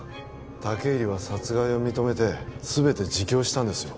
武入は殺害を認めてすべて自供したんですよ